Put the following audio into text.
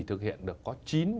thực hiện được có chín mươi ba